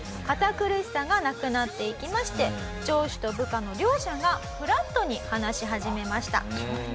堅苦しさがなくなっていきまして上司と部下の両者がフラットに話し始めました。